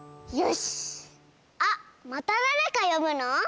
あっまただれかよぶの？